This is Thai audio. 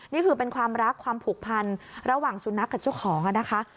นี่คือเป็นความรักความผูกพันระหว่างสุนัขกับเจ้าของนะคะ